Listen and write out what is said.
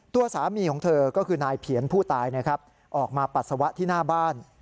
ตัวสามีของเธอก็คือนายเพียรผู้ตายออกมาปัสสาวะที่หน้าบ้าน